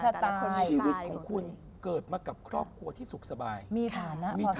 ชีวิตของคุณเกิดมากับครอบครัวที่สุขสบาย